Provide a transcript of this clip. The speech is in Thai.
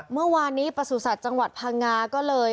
เมื่อวานนี้ประสุทธิ์จังหวัดพังงาก็เลย